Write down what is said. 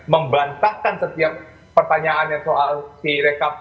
membantahkan setiap pertanyaannya soal kesehatan